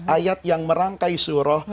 ayat yang merangkai suruh